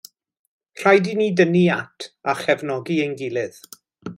Rhaid i ni dynnu at a chefnogi ein gilydd.